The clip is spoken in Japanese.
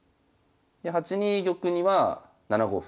で８二玉には７五歩。